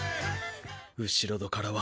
後ろ戸からは。